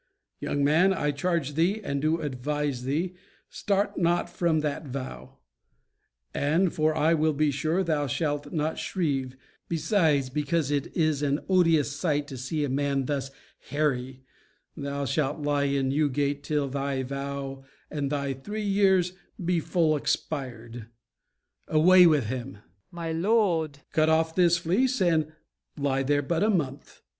Young man, I charge thee And do advise thee, start not from that vow: And, for I will be sure thou shalt not shrieve, Besides, because it is an odious sight To see a man thus hairy, thou shalt lie In Newgate till thy vow and thy three years Be full expired. Away with him! FAULKNER. My lord MORE. Cut off this fleece, and lie there but a month.